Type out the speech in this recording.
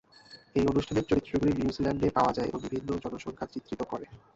এই অনুষ্ঠানের চরিত্রগুলি নিউজিল্যান্ডে পাওয়া যায় এবং বিভিন্ন বিভিন্ন জনসংখ্যা চিত্রিত করে।